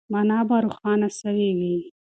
مانا به روښانه سوې وي.